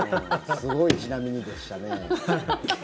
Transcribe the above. すごいちなみにでしたね。